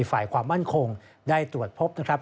ฝ่ายความมั่นคงได้ตรวจพบนะครับ